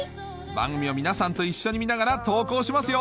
番組を皆さんと一緒に見ながら投稿しますよ